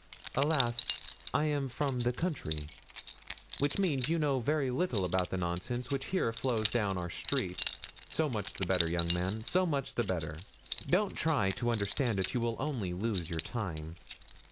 Alas! I am from the country." "Which means that you know very little about the nonsense which here flows down our streets. So much the better, young man! so much the better! Don't try to understand it—you will only lose your time."